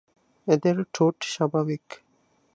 এদের ঠোঁট স্বাভাবিক।